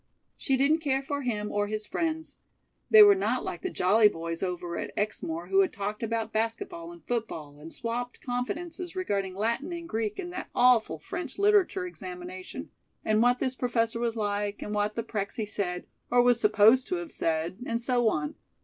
She didn't care for him or his friends. They were not like the jolly boys over at Exmoor, who talked about basket ball and football, and swopped confidences regarding Latin and Greek and that awful French Literature examination, and what this professor was like, and what the Prexy said or was supposed to have said, and so on.